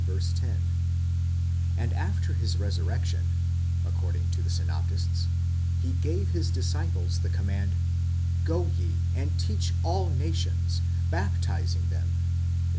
ro); and after his resur rection, according to the synoptists, he gave his disciples the command, Go ye, and teach all nations, baptizing them, etc.